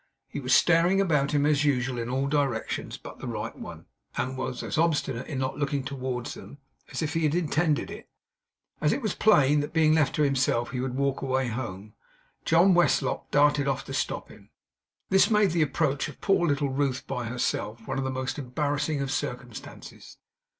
He was staring about him, as usual, in all directions but the right one; and was as obstinate in not looking towards them, as if he had intended it. As it was plain that, being left to himself, he would walk away home, John Westlock darted off to stop him. This made the approach of poor little Ruth, by herself, one of the most embarrassing of circumstances.